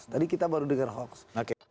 tadi kita baru dengar hoax